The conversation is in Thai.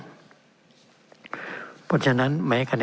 เป็นของสมาชิกสภาพภูมิแทนรัฐรนดร